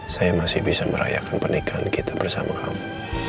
saya masih bisa merayakan pernikahan kita bersama kamu